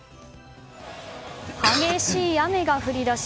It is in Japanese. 激しい雨が降り出し